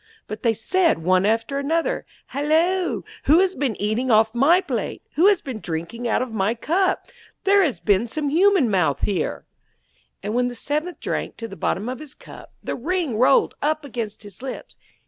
But they said one after another: 'Halloa! who has been eating off my plate? Who has been drinking out of my cup? There has been some human mouth here.' [Illustration: When she entered she met a Dwarf.] And when the seventh drank to the bottom of his cup, the ring rolled up against his lips.